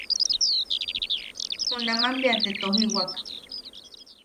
Junaman bea te tojiwak.